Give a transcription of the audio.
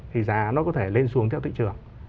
thì giá nó có thể lên xuống theo thị trường